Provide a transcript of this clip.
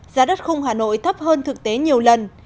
giá đất khung hà nội thấp hơn thực tế nhiều lần